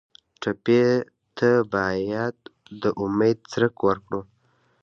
ټپي ته باید د امید څرک ورکړو.